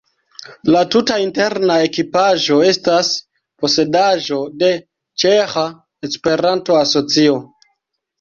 La tuta interna ekipaĵo estas posedaĵo de Ĉeĥa Esperanto-Asocio.